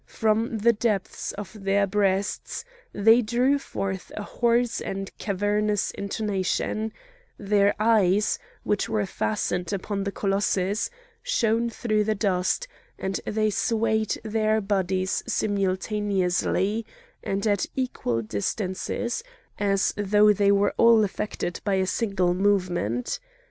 From the depths of their breasts they drew forth a hoarse and cavernous intonation; their eyes, which were fastened upon the colossus, shone through the dust, and they swayed their bodies simultaneously, and at equal distances, as though they were all affected by a single movement.